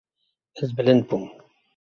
Ez bilind bûm.